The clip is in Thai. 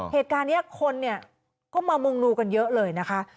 เหตุการณ์นี้คนเนี่ยก็มามุงดูกันเยอะเลยนะคะ